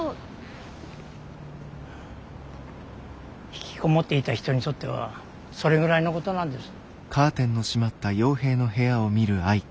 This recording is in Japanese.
ひきこもっていた人にとってはそれぐらいのことなんです。